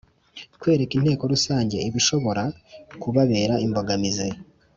Kwereka Inteko Rusange ibishobora kubabera imbogamizi